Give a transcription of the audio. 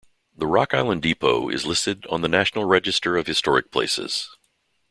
The Rock Island Depot is listed on the National Register of Historic Places.